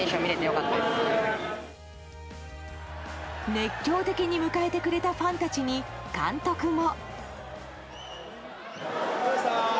熱狂的に迎えてくれたファンたちに、監督も。